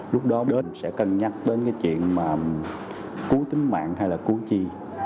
lúc đó mình sẽ cân nhắc đến cái chuyện mà cứu tính mạng hay là cứu chi